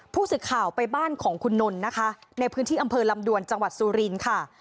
ผู้สื่อข่าวไปบ้านของคุณนนท์นะคะในพื้นที่อำเภอลำดวนจังหวัดสุรินทร์ค่ะ